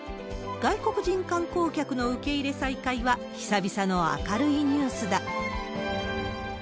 外国人観光客の受け入れ再開は久々の明るいニュースだ。